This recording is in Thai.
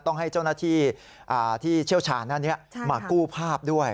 ต้องให้เจ้าหน้าที่เชี่ยวชาญมากู้ภาพด้วย